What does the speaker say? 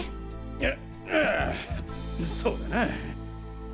あああそうだな。